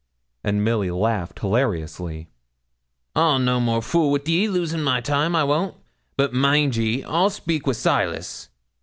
And Milly laughed hilariously. 'I'll fool no more wi' ye, losing my time; I won't; but mind ye, I'll speak wi' Silas.'